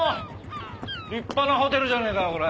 立派なホテルじゃねえかよこれ。